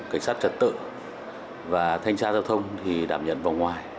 cảnh sát trật tự và thanh tra giao thông thì đảm nhận vòng ngoài